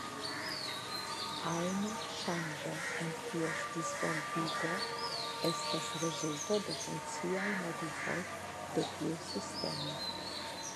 Ajna ŝanĝo en ties disvolvigo estas rezulto de funkciaj modifoj de tiu sistemo.